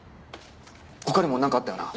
他にもなんかあったよな？